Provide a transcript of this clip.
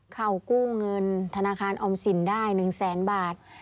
เขากู้เงินธนาคารออมสินได้๑แสนบาท